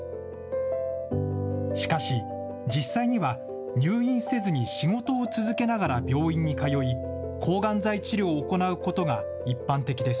しかし、実際には入院せずに仕事を続けながら病院に通い、抗がん剤治療を行うことが一般的です。